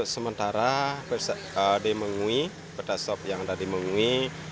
sementara di mengui pertasop yang ada di mengui